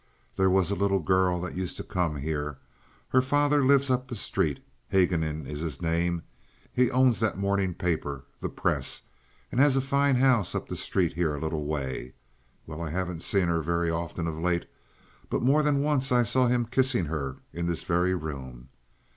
"There was a little girl that used to come here. Her father lives up the street here. Haguenin is his name. He owns that morning paper, the Press, and has a fine house up the street here a little way. Well, I haven't seen her very often of late, but more than once I saw him kissing her in this very room.